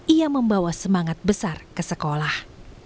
ia membawa semangat besar ke sekolah